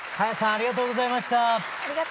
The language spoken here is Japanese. ありがとうございます。